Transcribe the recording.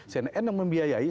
cnn yang membiayai